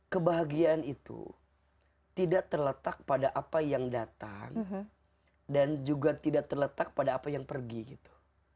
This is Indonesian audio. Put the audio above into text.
kebahagiaan itu tidak terletak pada apa yang datang dan juga tidak terletak pada apa yang pergi gitu